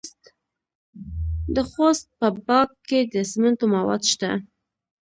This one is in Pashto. د خوست په باک کې د سمنټو مواد شته.